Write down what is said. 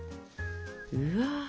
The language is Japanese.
うわ。